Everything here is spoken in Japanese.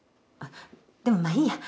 でもまあいいや。